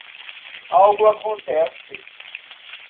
Algo acontece